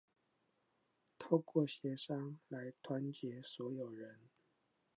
透過協商來團結所有人